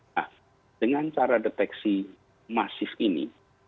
nah dengan cara deteksi masif ini